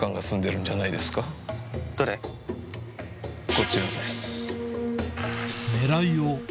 こちらです。